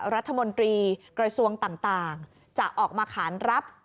รัฐมนตรีกระทรวงต่างจะออกมาขานรับ